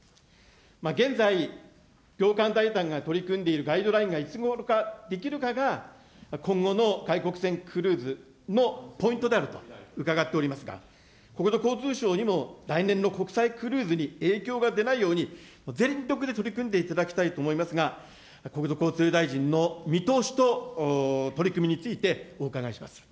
現在、業界団体が取り組んでいるガイドラインがいつごろから出来るかが、今後の外国船クルーズのポイントであると伺っておりますが、国土交通省にも来年の国際クルーズに影響が出ないように、全力で取り組んでいただきたいと思いますが、国土交通大臣の見通しと取り組みについてお伺いします。